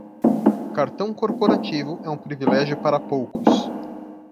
Cartão corporativo é um privilégio para poucos